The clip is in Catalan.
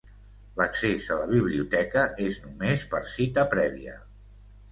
L'accés a la biblioteca és només per cita prèvia.